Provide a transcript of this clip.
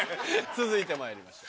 続いてまいりましょう。